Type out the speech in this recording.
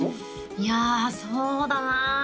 いやそうだな